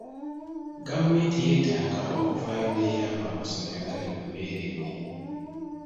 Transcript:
Gavumenti yeetaaga okuvaayo n'eyamba amasomero agali mu mbeera embi.